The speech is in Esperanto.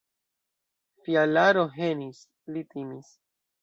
Fjalaro henis, li timis.